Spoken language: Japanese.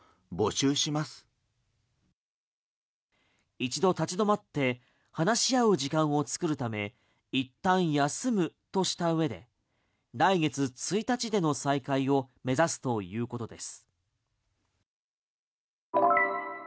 一度立ち止まって話し合う時間を作るためいったん休むとしたうえで来月１日での再開を目指すということです。